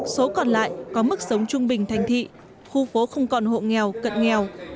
số còn lại có mức sống trung bình thành thị khu phố không còn hộ nghèo cận nghèo